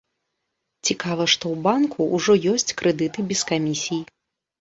Цікава, што ў банку ўжо ёсць крэдыты без камісій.